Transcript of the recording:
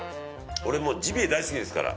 俺ジビエ大好きですから。